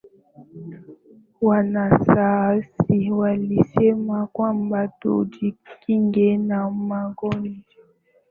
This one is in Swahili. Wanasayansi walisema kwamba tujikinge na magonjwa.